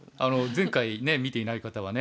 前回見ていない方はね